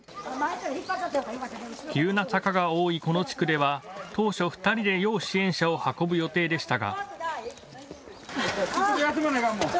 急な坂が多いこの地区では当初２人で要支援者を運ぶ予定でしたが。